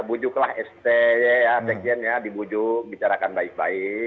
bujuklah sti ya sekian ya di bujuk bicarakan baik baik